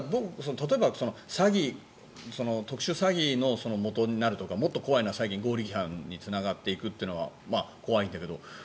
例えば特殊詐欺のもとになるとかもっと怖いのは強盗につながっていくというのは怖いんだけど。